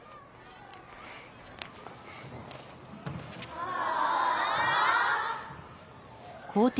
ああ！